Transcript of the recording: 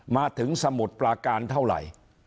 มาถึงสมุทรปลาการเท่าไหร่